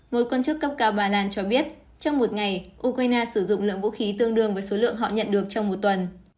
mối quan chức cấp cao ba lan cho biết trong một ngày ukraine sử dụng lượng vũ khí tương đương với số lượng họ nhận được trong một tuần